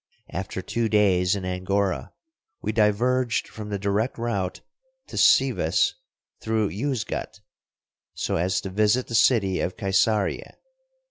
After two days in Angora we diverged from the direct route to Sivas through Yuzgat, so as to visit the city of Kaisarieh.